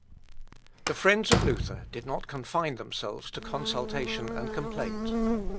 The friends of Luther did not confine themselves to consultation and complaint.